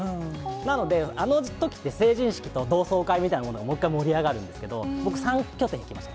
なので、あのときって成人式と同窓会みたいなもので、もう一回盛り上がるんですけど、僕、３拠点行きました。